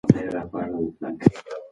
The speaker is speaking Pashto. ده د بې انصافي پر وړاندې چوپ نه پاتې کېده.